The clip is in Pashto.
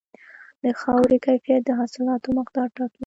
د خاورې کیفیت د حاصلاتو مقدار ټاکي.